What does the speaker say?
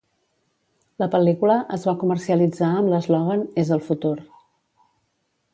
La pel·lícula es va comercialitzar amb l'eslògan "És el futur".